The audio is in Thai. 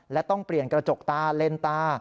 และต้องเปลี่ยนกระจกตาเลนตา